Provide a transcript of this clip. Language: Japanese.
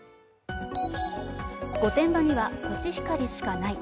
御殿場にはコシヒカリしかない。